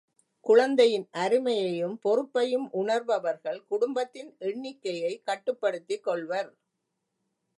குழந்தையின் அருமையையும், பொறுப்பையும் உணர்பவர்கள் குடும்பத்தின் எண்ணிக்கையை கட்டுப்படுத்திக் கொள்வர்.